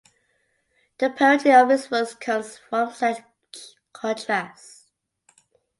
The poetry of his works comes from such contrasts.